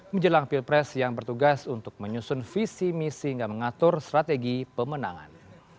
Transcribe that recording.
menjelang pilpres yang bertugas untuk menyusun visi misi hingga mengatur strategi pemenangan